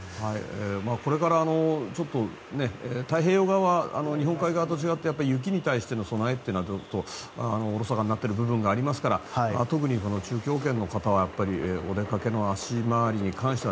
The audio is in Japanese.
これから太平洋側は日本海側と違って雪に対しての備えがおろそかになっている部分がありますから、この中京圏の方はお出かけの足回りに関しては